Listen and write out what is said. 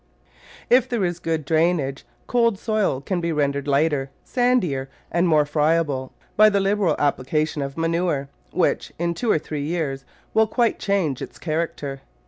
If there is good drainage, cold soil can be rendered lighter, sandier and more friable by the liberal applica tion of manure, which in two or three years will quite change its character.